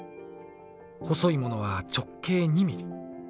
細いものは直径２ｍｍ。